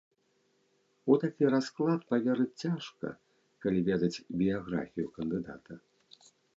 У такі расклад паверыць цяжка, калі ведаць біяграфію кандыдата.